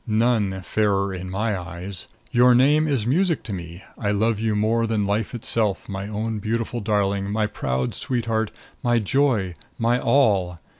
None "fairer in my eyes." Your name is music to me. I love you more than life itself, my own beautiful darling, my proud sweetheart, my joy, my all!